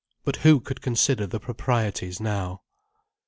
But who could consider the proprieties now?